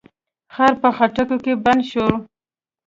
خر په خټو کې بند شو.